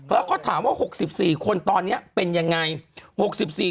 แล้วก็ถามว่า๖๔คนตอนนี้เป็นยังไง